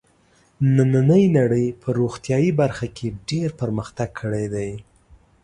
نننۍ نړۍ په روغتیايي برخه کې ډېر پرمختګ کړی دی.